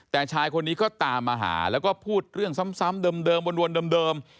แต่ชายคนนี้ก็ตามมาหาแล้วก็พูดเรื่องซ้ำเดิมวนเดิม